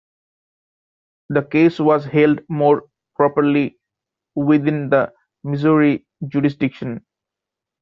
The case was held more properly within the Missouri jurisdiction.